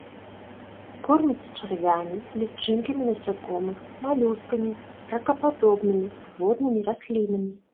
Корміцца чарвямі, лічынкамі насякомых, малюскамі, ракападобнымі, воднымі раслінамі.